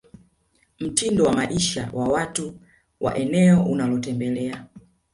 mtindo wa maisha wa watu wa eneo unalotembelea